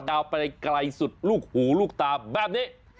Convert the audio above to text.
ไปไกลสุดลูกหูลูกตาแบบนี้